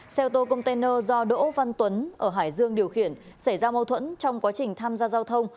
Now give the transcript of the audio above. xe ô tô container do đỗ văn tuấn ở hải dương điều khiển xảy ra mâu thuẫn trong quá trình tham gia giao thông